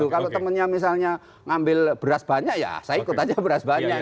kalau temennya misalnya ngambil beras banyak ya saya ikut aja beras banyak